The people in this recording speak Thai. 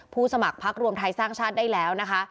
สมัครพักรวมไทยสร้างชาติได้แล้วนะคะ